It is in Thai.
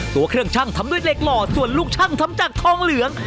ตัวเครื่องชั่งทำด้วยเหล็กหล่อส่วนลูกช่างทำจากทองเหลือง